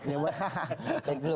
ya baik dulu